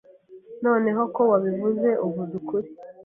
Noneho ko wabivuze, uvuze ukuri.